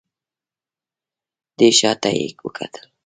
دی شا ته يې وکتل.